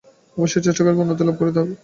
অবশ্যই চেষ্টা করিয়া উন্নতিলাভ করিতে হইবে।